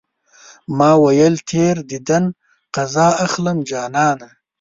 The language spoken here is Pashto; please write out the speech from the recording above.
ما ويل تېر ديدن قضا اخلم جانانه